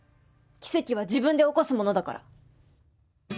奇跡は自分で起こすものだから。